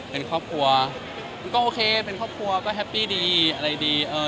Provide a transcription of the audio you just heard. เป็นครอบครัวก็โอเคเป็นครอบครัวก็แฮปปี้ดีอะไรดีเออ